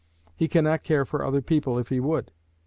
He can not care for other people if he would.